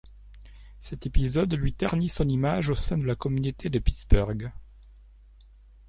Cet épisode lui ternit son image au sein de la communauté de Pittsburgh.